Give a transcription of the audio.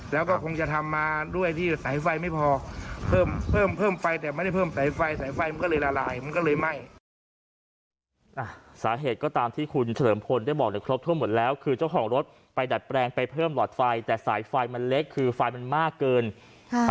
แล้วก็คงทำมาด้วยที่สายไฟไม่พอ